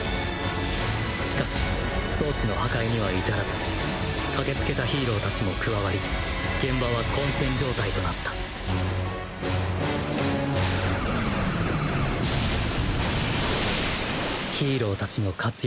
しかし装置の破壊には至らず駆けつけたヒーロー達も加わり現場は混戦状態となったヒーロー達の活躍